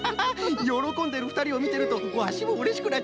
よろこんでるふたりをみてるとワシもうれしくなっちゃうな。